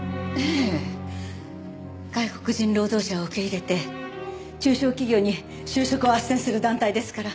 外国人労働者を受け入れて中小企業に就職を斡旋する団体ですから。